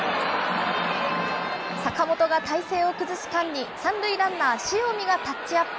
坂本が体勢を崩す間に、３塁ランナー、塩見がタッチアップ。